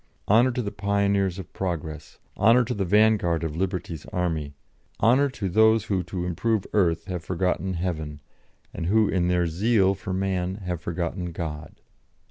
Honour to the pioneers of progress, honour to the vanguard of Liberty's army, honour to those who to improve earth have forgotten heaven, and who in their zeal for man have forgotten God."